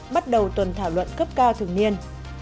bắt đầu tuần thảo luận cấp cao thường niên